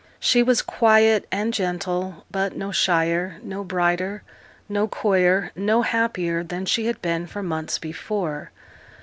She was quiet and gentle; but no shyer, no brighter, no coyer, no happier, than she had been for months before.